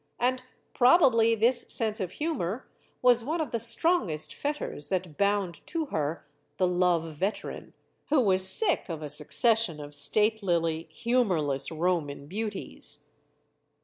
And probably this sense of humor was one of the strongest fetters that bound to her the love veteran, who was sick of a succession of statelily humorless Roman beauties.